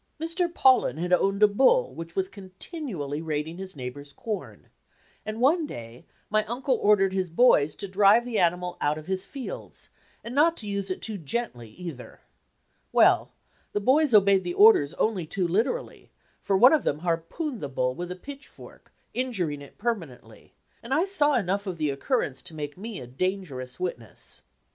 Mr. Paullin had owned a bull which was continually raiding his neighbor's corn, and one day my uncle ordered his boys to drive the animal out of his fields, and not to use it too gently, either. Well, the boys obeyed the orders only too liter ally, for one of them harpooned the bull with a pitchfork, injuring it permanently, and I saw enough of the occurrence to make me a danger ous witness.